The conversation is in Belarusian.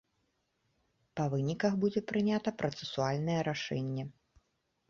Па выніках будзе прынята працэсуальнае рашэнне.